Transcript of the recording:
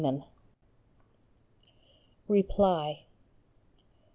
REPLY.